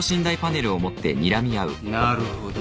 なるほど。